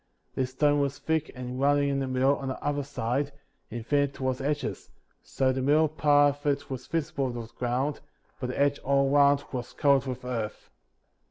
This stone was thick and rounding in the middle on the upper side, and thinner towards the edges, so that the mid dle part of it was visible above the ground, but the edge all around was covered with earth.